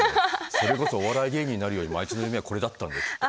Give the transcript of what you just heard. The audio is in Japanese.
それこそお笑い芸人になるよりもあいつの夢はこれだったんだよきっと。